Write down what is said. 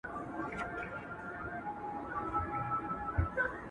له لاري د روسيې صدراعظم